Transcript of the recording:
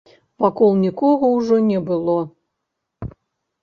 Вакол нікога ўжо не было.